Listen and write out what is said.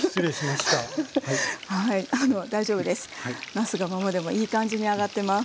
なすがままでもいい感じに揚がってます。